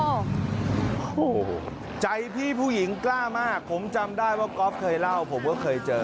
โอ้โหใจพี่ผู้หญิงกล้ามากผมจำได้ว่าก๊อฟเคยเล่าผมก็เคยเจอ